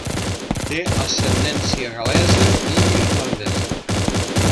Té ascendència gal·lesa i irlandesa.